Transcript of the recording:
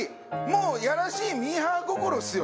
いやらしいミーハー心っすよ。